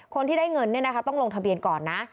คนที่ได้เงินเนี่ยนะคะต้องลงทะเบียนก่อนนะ